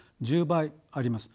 １０倍あります。